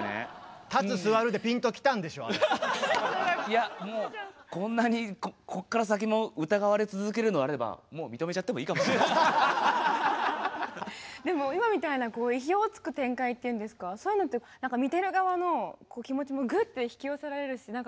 いやもうこんなにこっから先も疑われ続けるのであればでも今みたいな意表をつく展開っていうんですかそういうのって見てる側の気持ちもぐって引き寄せられるしうわ